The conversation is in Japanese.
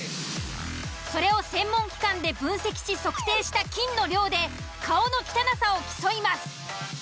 それを専門機関で分析し測定した菌の量で顔の汚さを競います。